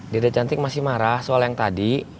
dide cantik masih marah soal yang tadi